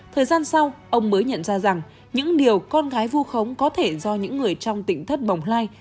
thời gian sau ông mới nhận ra rằng những điều con gái vu khống có thể do những người trong tỉnh thất bồng lai